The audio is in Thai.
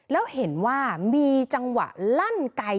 แล้วเห็นว่ามีจังหวะลั่นไกล